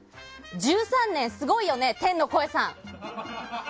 １３年すごいよね、天の声さん。